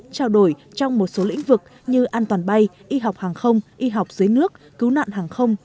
trao đổi trong một số lĩnh vực như an toàn bay y học hàng không y học dưới nước cứu nạn hàng không